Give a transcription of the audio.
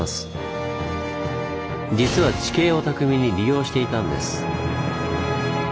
実は地形を巧みに利用していたんです。